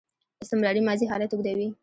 استمراري ماضي حالت اوږدوي.